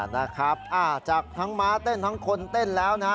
นะครับจากทั้งม้าเต้นทั้งคนเต้นแล้วนะฮะ